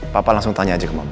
papa langsung tanya aja ke bapak